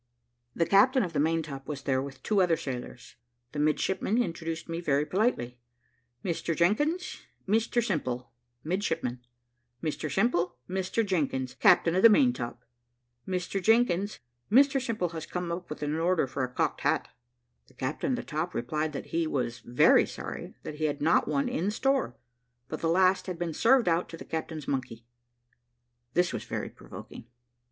The captain of the main top was there with two other sailors. The midshipman introduced me very politely: "Mr Jenkins Mr Simple, midshipman, Mr Simple, Mr Jenkins, captain of the main top. Mr Jenkins, Mr Simple has come up with an order for a cocked hat." The captain of the top replied that he was very sorry that he had not one in store, but the last had been served out to the captain's monkey. This was very provoking.